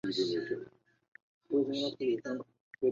本集设计师要以纽约的夜生活为灵感来设计一套时装。